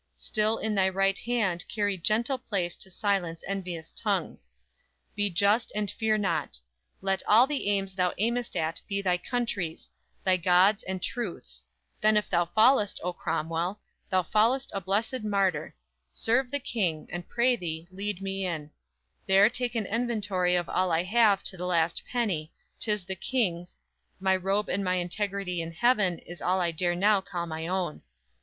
Still in thy right hand carry gentle place To silence envious tongues. Be just and fear not! Let all the aims thou aim'st at be thy country's; Thy God's and Truth's; then if thou fall'st, O, Cromwell, Thou fall'st a blessed martyr; serve the King; And, pray thee, lead me in; There take an enventory of all I have To the last penny; 'tis the King's; my robe And my integrity to heaven, is all I dare now call my own.